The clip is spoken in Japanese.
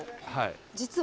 実は。